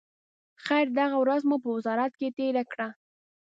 خیر، دغه ورځ مو په وزارت کې تېره کړه.